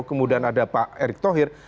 kemudian ada pak erick thohir